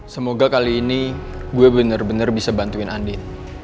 semoga kali ini gue bener bener bisa bantuin andin